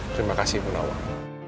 terima kasih ibu nawang